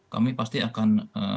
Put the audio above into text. kami pasti akan